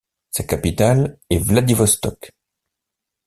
Sa capitale est Vladivostok.